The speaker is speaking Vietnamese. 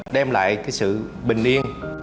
đem lại cái sự bình yên